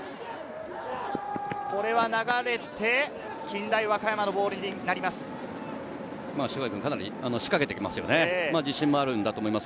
これは流れて、近大和歌山のボールになります。